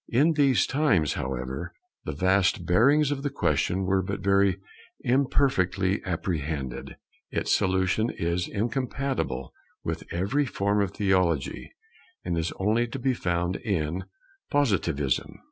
In those times, however, the vast bearings of the question were but very imperfectly apprehended; its solution is incompatible with every form of theology, and is only to be found in Positivism.